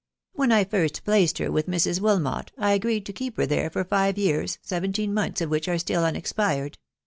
When. I first ^placedfaer* with Mis. Wilmot I agreed 4o*&eep ?her :ihere tforiive yeans, {seventeen months of which are*till ■ unexpired.